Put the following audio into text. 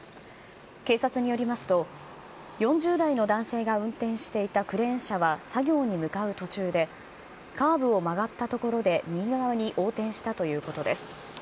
警察によりますと、４０代の男性が運転していたクレーン車は作業に向かう途中で、カーブを曲がったところで右側に横転したということです。